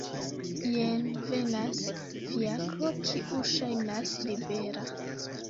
Jen venas fiakro kiu ŝajnas libera.